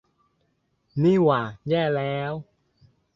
นี่หว่า แย่แล้ว